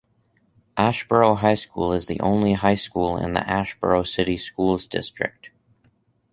Asheboro High School is the only high school in the Asheboro City Schools District.